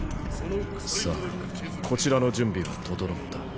さあこちらの準備は整った。